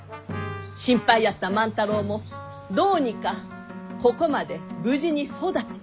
心配やった万太郎もどうにかここまで無事に育った。